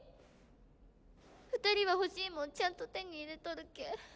２人は欲しいもんちゃんと手に入れとるけえ